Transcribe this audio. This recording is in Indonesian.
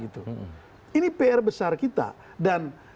ini pr besar kita dan